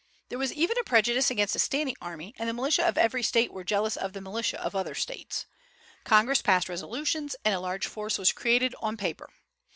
There was even a prejudice against a standing army, and the militia of every State were jealous of the militia of other States. Congress passed resolutions, and a large force was created on paper.